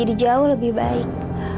jadi jauh lebih baik